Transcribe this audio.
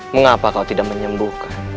mengapa kau tidak menyembuhkan